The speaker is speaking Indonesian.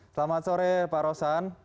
selamat sore pak rosan